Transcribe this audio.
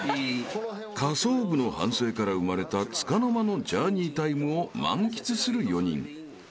［下層部の反省から生まれたつかの間のジャーニータイムを満喫する４人］